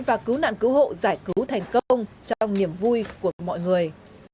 và cứu nạn cứu hộ giải cứu thành công trong niềm vui của mọi người